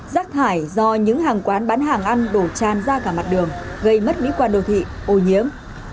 rác thải do những hàng quán bán hàng ăn đổ tràn ra cả mặt đường gây mất mỹ quan đô thị ô nhiễm